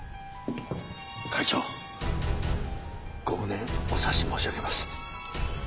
会長ご無念お察し申し上げます。